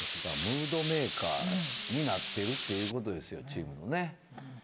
だからムードメーカーになってるっていうことですよチームのね。